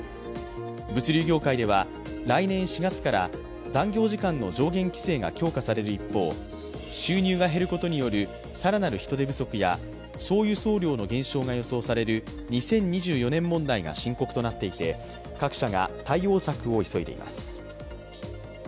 物流業界では来年４月から残業時間の上限規制が強化される一方、収入が減ることによる更なる人手不足や総輸送量の減少が予想される２０２４年問題が深刻となっていて各社が対応策を急いでいます。